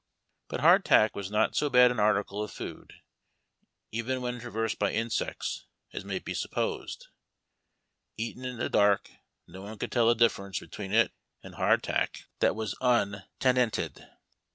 But hardtack was not so bad an article of food, even when traversed by insects, as may be supposed. Eaten in the dark, no one could tell tlie difference between it and hardtack that 116 HARD TACK AND COFFEE. was untenanted.